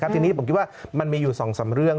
ทีนี้ผมคิดว่ามันมีอยู่๒๓เรื่อง